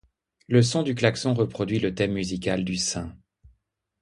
Le son du klaxon reproduit le thème musical du Saint.